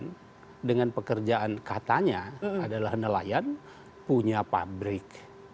karena dengan pekerjaan katanya adalah nelayan punya pabrik